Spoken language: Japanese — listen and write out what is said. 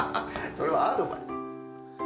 それはアドバイスですよ。